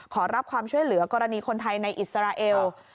ขอรับความช่วยเหลือกรณีคนไทยในอิสราเอล